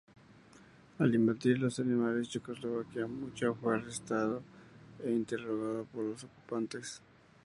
Al invadir los alemanes Checoslovaquia, Mucha fue arrestado e interrogado por los ocupantes.